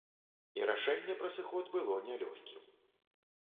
І рашэнне пра сыход было нялёгкім.